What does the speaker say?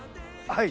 はい。